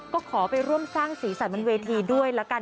ก็ขอไปร่วมสร้างสีสันบนเวทีด้วยละกัน